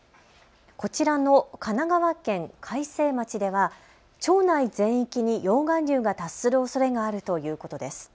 こちらの神奈川県開成町では町内全域に溶岩流が達するおそれがあるということです。